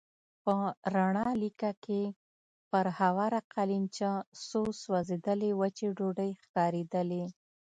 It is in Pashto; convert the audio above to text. په رڼه لېکه کې پر هواره قالينچه څو سوځېدلې وچې ډوډۍ ښکارېدلې.